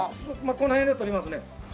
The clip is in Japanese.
この辺でとれますね。